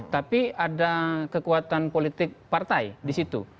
tapi ada kekuatan politik partai disitu